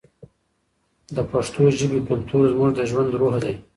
د پښتو ژبې کلتور زموږ د ژوند روح دی.